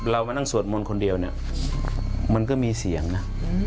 มานั่งสวดมนต์คนเดียวเนี่ยมันก็มีเสียงนะ